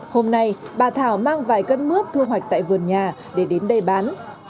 hôm nay bà thảo mang vài cân mướp thu hoạch tại vườn nhà để đến đây bán